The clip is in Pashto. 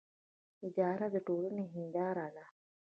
اداره د ټولنې هنداره ده